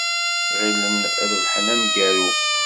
Ɣilen rebḥen amgaru.